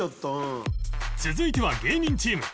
続いては芸人チーム